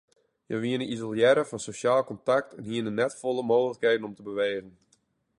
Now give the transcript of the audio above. Hja wiene isolearre fan sosjaal kontakt en hiene net folle mooglikheden om te bewegen.